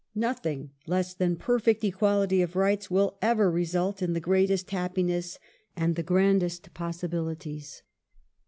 Nothing less than perfect equality of rights will ever result in the greatest happiness, and the grandest possibilities.